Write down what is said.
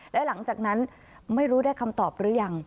และหลังจากนั้นไม่รู้ได้คำตอบหรือยัง